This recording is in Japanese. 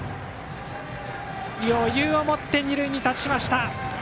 余裕を持って二塁に達しました！